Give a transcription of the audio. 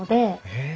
へえ。